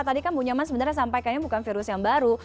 tadi kan bu nyaman sebenarnya sampaikannya bukan virus yang baru